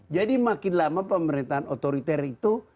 jadi makin lama pemerintahan otoriter itu